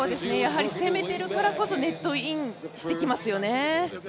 攻めているからこそ、ネットインしてきますよね。